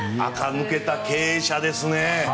垢ぬけた経営者ですね。